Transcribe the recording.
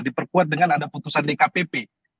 diperkuat dengan ada putusan dkpp